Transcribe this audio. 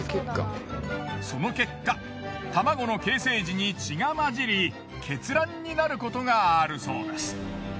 その結果卵の形成時に血が混じり血卵になることがあるそうです。